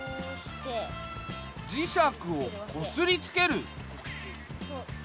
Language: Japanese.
磁石をこすりつける。